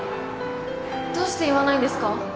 どうして言わないんですか？